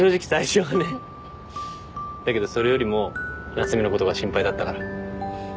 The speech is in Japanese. だけどそれよりも夏海のことが心配だったから。